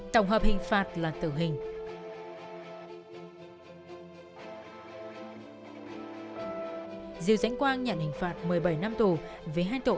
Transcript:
tổng hợp hình phạt là tử hình